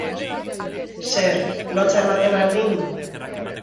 Zer, lotsa ematen al din?